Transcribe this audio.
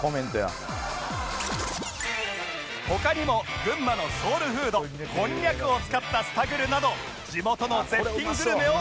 他にも群馬のソウルフードこんにゃくを使ったスタグルなど地元の絶品グルメを教えてくれました！